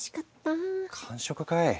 完食かい！